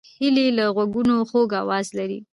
هیلۍ له غوږونو خوږ آواز لري